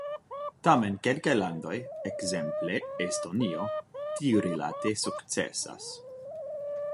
Tamen kelkaj landoj, ekzemple Estonio, tiurilate sukcesas.